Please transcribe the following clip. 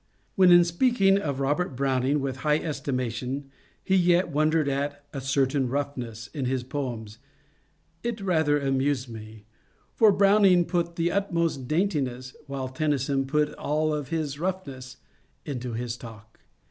When in speaking of Robert Browning with high estimation he yet wondered at '* a certain roughness " in his poems, it rather amused me ; for Browning put the utmost daintiness — while Tennyson put all of his roughness — into his talk.